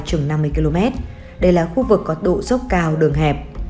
chừng năm mươi km đây là khu vực có độ dốc cao đường hẹp